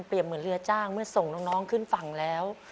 เหมือนเรือจ้างเมื่อส่งน้องขึ้นฝั่งแล้ว